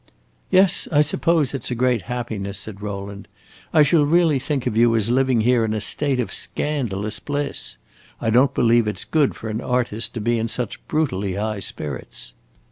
"Yes, I suppose it 's a great happiness," said Rowland. "I shall really think of you as living here in a state of scandalous bliss. I don't believe it 's good for an artist to be in such brutally high spirits."